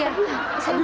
aduh aduh aduh